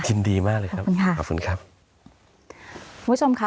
ยินดีมากเลยครับคุณค่ะขอบคุณครับคุณผู้ชมค่ะ